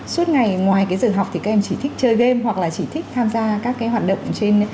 suốt ngày ngoài cái giờ học thì các em chỉ thích chơi game hoặc là chỉ thích tham gia các cái hoạt động trên